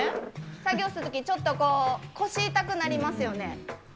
作業するとき、ちょっとこう、腰痛くなりますよね。